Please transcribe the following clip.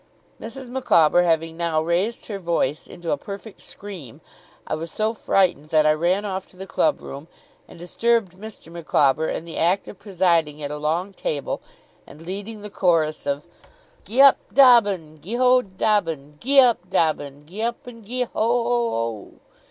Mrs. Micawber having now raised her voice into a perfect scream, I was so frightened that I ran off to the club room, and disturbed Mr. Micawber in the act of presiding at a long table, and leading the chorus of Gee up, Dobbin, Gee ho, Dobbin, Gee up, Dobbin, Gee up, and gee ho o o!